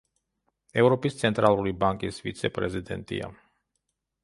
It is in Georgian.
ევროპის ცენტრალური ბანკის ვიცე-პრეზიდენტია.